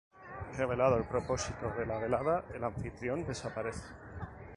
Revelado el propósito de la velada el anfitrión desaparece.